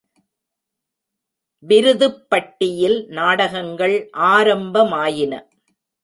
விருதுப்பட்டியில் நாடகங்கள் ஆரம்பமாயின.